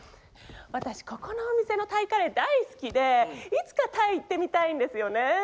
私ここのお店のタイカレー大好きでいつかタイ行ってみたいんですよね。